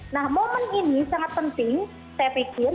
nah momen ini sangat penting saya pikir